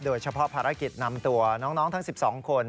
โดยเฉพาะภารกิจนำตัวน้องทั้ง๑๒คน